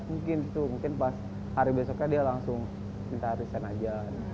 mungkin pas hari besoknya dia langsung minta riset aja